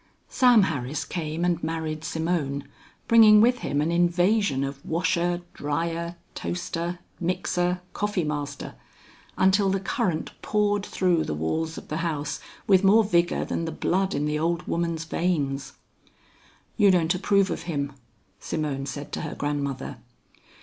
Sam Harris came and married Simone, bringing with him an invasion of washer, dryer, toaster, mixer, coffeemaster, until the current poured through the walls of the house with more vigor than the blood in the old woman's veins. "You don't approve of him," Simone said to her grandmother.